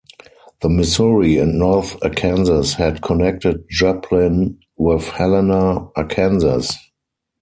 The Missouri and North Arkansas had connected Joplin with Helena, Arkansas.